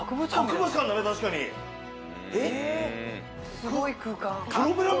すごい空間。